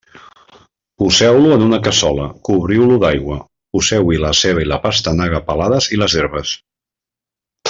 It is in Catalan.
Poseu-lo en una cassola, cobriu-lo d'aigua, poseu-hi la ceba i la pastanaga pelades i les herbes.